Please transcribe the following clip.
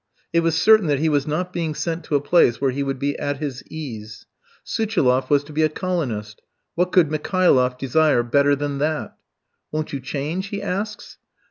It was certain that he was not being sent to a place where he would be at his ease. Suchiloff was to be a colonist. What could Mikhailoff desire better than that? "Won't you change?" he asks.